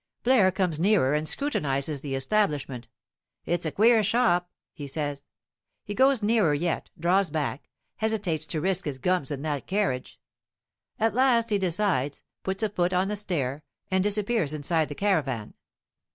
Blaire comes nearer and scrutinizes the establishment. "It's a queer shop," he says. He goes nearer yet, draws back, hesitates to risk his gums in that carriage. At last he decides, puts a foot on the stair, and disappears inside the caravan.